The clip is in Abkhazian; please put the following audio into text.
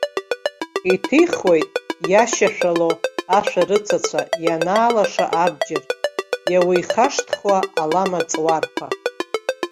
Иҭихуеит иашьашәалоу ашәарыцацәа, инаалаша абџьар, иауихашҭхуа ала маҵуарқәа!